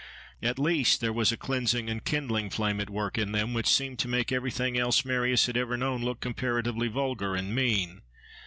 At least, there was a cleansing and kindling flame at work in them, which seemed to make everything else Marius had ever known look comparatively vulgar and mean.